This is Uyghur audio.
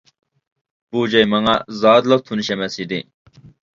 بۇ جاي ماڭا زادىلا تونۇش ئەمەس ئىدى.